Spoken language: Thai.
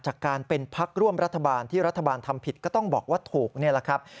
จากการเป็นพักร่วมรัฐบาลที่รัฐบาลทำผิดก็ต้องบอกว่าถูกนี่แหละครับ